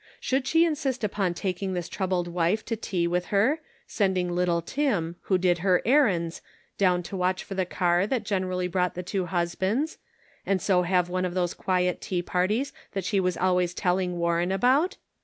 Should she insist upon taking this troubled wife home to tea with her, sending little Tim, who did her errands, down to watch for the car that generally brought the two husbands, and so have one of those quiet tea parties that she was always telling Warren about?